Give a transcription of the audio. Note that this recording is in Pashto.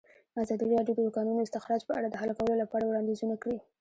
ازادي راډیو د د کانونو استخراج په اړه د حل کولو لپاره وړاندیزونه کړي.